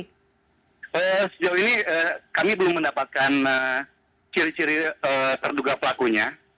sejauh ini kami belum mendapatkan ciri ciri terduga pelakunya